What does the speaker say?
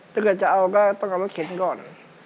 ถ้าเกิดจะเอาก็ต้องเอามาเข็นก่อน